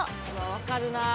分かるなあ。